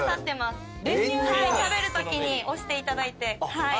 食べるときに押していただいて。